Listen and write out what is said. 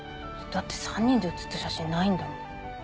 だって３人で写ってる写真ないんだもん。